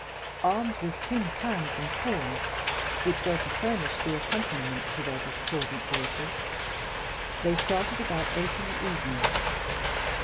Armed with tin pans and horns which were to furnish the accompaniment to their discordant voices, they started about eight in the evening.